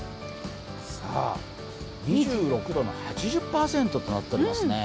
２６度の８０％となっておりますね。